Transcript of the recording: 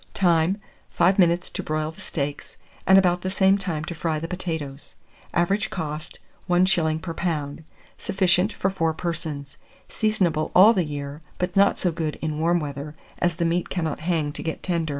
Time. 5 minutes to broil the steaks, and about the same time to fry the potatoes. Average cost, 1s. per lb. Sufficient for 4 persons. Seasonable all the year; but not so good in warm weather, as the meat cannot hang to get tender.